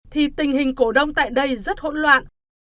thì tình hình cổ đông tại đây rất hỗn loạn